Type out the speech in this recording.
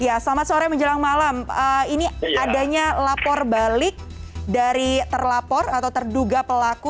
ya selamat sore menjelang malam ini adanya lapor balik dari terlapor atau terduga pelaku